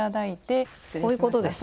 こういうことですね。